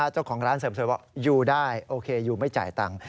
เจ้าของร้านเสริมสวยบอกอยู่ได้โอเคอยู่ไม่จ่ายตังค์